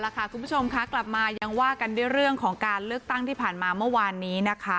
คุณผู้ชมค่ะกลับมายังว่ากันด้วยเรื่องของการเลือกตั้งที่ผ่านมาเมื่อวานนี้นะคะ